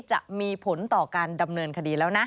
จะมีผลต่อการดำเนินคดีแล้วนะ